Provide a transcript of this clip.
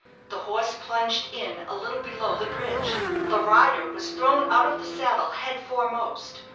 The horse plunged in a little below the bridge. The rider was thrown out of the saddle head foremost.